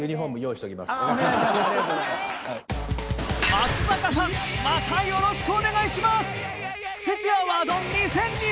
松坂さんまたよろしくお願いします。